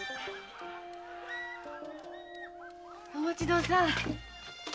お待ちどうさん。